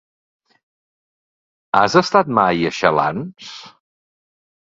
Has estat mai a Xalans?